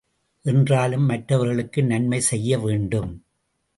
என்றாலும், மற்றவர்களுக்கு நன்மை செய்ய வேண்டும்.